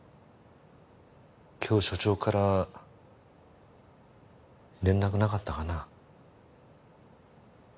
今日署長から連絡なかったかな？